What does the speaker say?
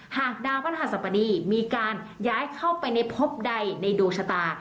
หากดาวพระหัสบดีมีการย้ายเข้าไปในพบใดในดวงชะตา